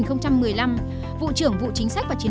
khi các bạn là một quốc gia tuyệt vời